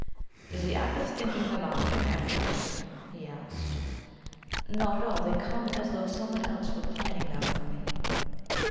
"Is the act of thinking them out an effort to you?" he asked. "Not at all. They come as though someone else were planning them for me."